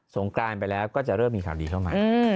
งกรานไปแล้วก็จะเริ่มมีข่าวดีเข้ามา